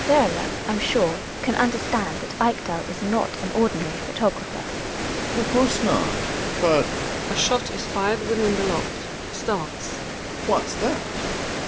Werle, I'm sure, can understand that Ekdal is not an ordinary photographer. Gregers. Of course not But (^ shot is \fired within the loft, he starts.) What's that